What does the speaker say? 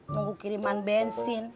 mau kukiriman bensin